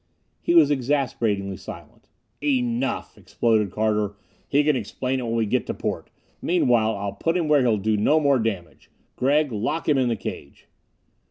He was exasperatingly silent. "Enough!" exploded Carter. "He can explain when we get to port. Meanwhile I'll put him where he'll do no more damage. Gregg, lock him in the cage."